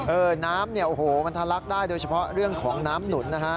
เออน้ำมันทะลักได้โดยเฉพาะเรื่องของน้ำหนุนนะฮะ